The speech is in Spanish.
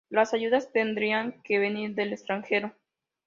Las ayudas tendrían que venir del extranjero.